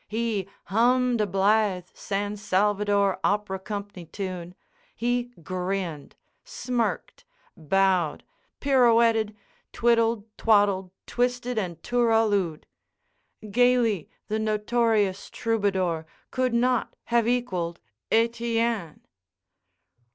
He hummed a blithe San Salvador Opera Company tune; he grinned, smirked, bowed, pirouetted, twiddled, twaddled, twisted, and tooralooed. Gayly, the notorious troubadour, could not have equalled Etienne.